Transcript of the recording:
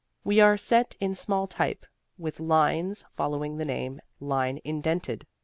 ... We are set in small type, with lines following the name line indented.